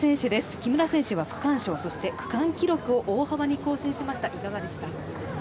木村選手は区間賞、そして区間記録を大幅に更新しました、いかがですか？